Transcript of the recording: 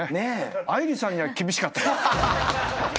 愛梨さんには厳しかったけど。